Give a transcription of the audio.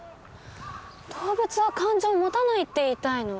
動物は感情を持たないって言いたいの？